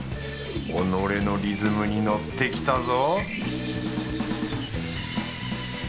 己のリズムに乗ってきたぞ